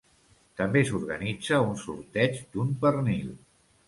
També s'organitza un sorteig d'un pernil.